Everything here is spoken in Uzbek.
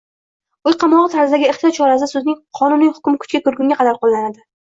Uy qamog‘i tarzidagi ehtiyot chorasi sudning qonuniy hukmi kuchga kirguncha qo‘llaniladi.